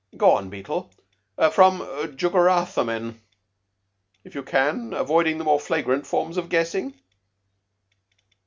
Go on, Beetle from 'jugurtha tamen' and, if you can, avoid the more flagrant forms of guessing."